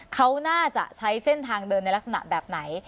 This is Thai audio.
เขาน่าจะใช้เส้นทางเดินในลักษณะแบบไหน